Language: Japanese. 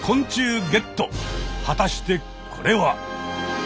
はたしてこれは。